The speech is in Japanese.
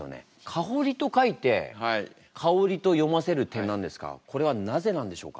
「かほり」と書いて「かおり」と読ませる点なんですがこれはなぜなんでしょうか？